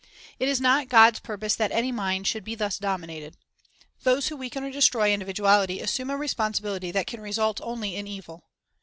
It is not God's purpose that any mind should be thus dominated. Those who weaken or destroy individuality assume a responsibility that can result only in evil.